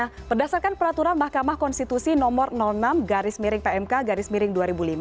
nah berdasarkan peraturan mahkamah konstitusi nomor enam garis miring pmk garis miring dua ribu lima